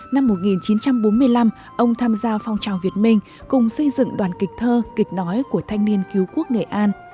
năm một nghìn chín trăm bốn mươi năm ông tham gia phong trào việt minh cùng xây dựng đoàn kịch thơ kịch nói của thanh niên cứu quốc nghệ an